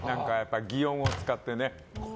擬音を使ってね。